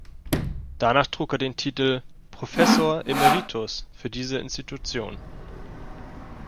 Danach trug er den Titel „Professor Emeritus“ für diese Institution.